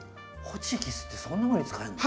ホチキスってそんなふうに使えるの？